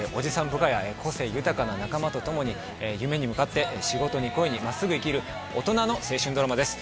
部下や個性豊かな仲間と共に夢に向かって仕事に恋に真っすぐ生きる大人の青春ドラマです